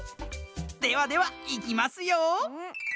ではではいきますよ。